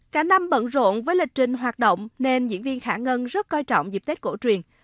cả năm bận rộn với lịch trình hoạt động nên diễn viên khả ngân rất coi trọng dịp tết cổ truyền